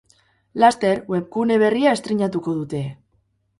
Laster, webgune berria estreinatuko dute!